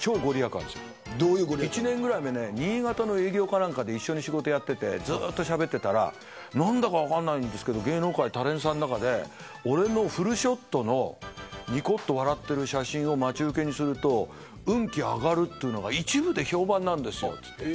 １年ぐらい前新潟の営業かなんかで一緒に仕事をやっててずっとしゃべってたら何だか分からないんですけど芸能界のタレントさんの中でフルショットのにこっと笑ってる写真を待ち受けにすると運気が上がるっていうのが一部で評判なんですよって言ってて。